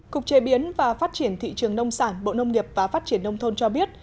cục chế biến và phát triển thị trường nông sản bộ nông nghiệp và phát triển nông thôn cho biết